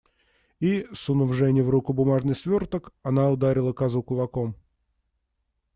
И, сунув Жене в руку бумажный сверток, она ударила козу кулаком.